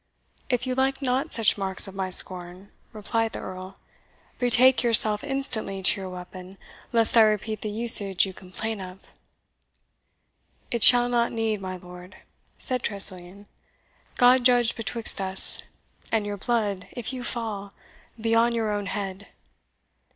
"If you like not such marks of my scorn," replied the Earl, "betake yourself instantly to your weapon, lest I repeat the usage you complain of." "It shall not need, my lord," said Tressilian. "God judge betwixt us! and your blood, if you fall, be on your own head."